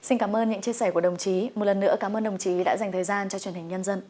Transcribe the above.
xin cảm ơn những chia sẻ của đồng chí một lần nữa cảm ơn đồng chí đã dành thời gian cho truyền hình nhân dân